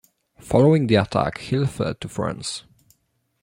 Following the attack Hill fled to France.